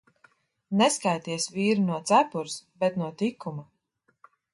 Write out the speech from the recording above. Neskaities vīru no cepures, bet no tikuma.